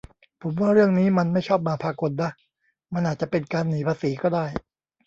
ผมว่าเรื่องนี้มันไม่ชอบมาพากลนะ มันอาจจะเป็นการหนีภาษีก็ได้